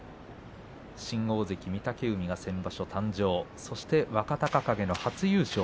新大関御嶽海が先場所誕生そして若隆景の初優勝